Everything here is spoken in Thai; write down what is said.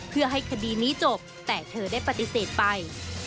เพื่อให้คดีนี้จบแต่เธอได้ปฏิเสธไป